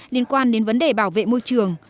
liên quan đến vấn đề bảo vệ môi trường